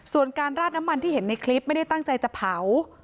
ส่วนการราดน้ำมันที่เห็นในคลิปไม่ได้ตั้งใจจะเผา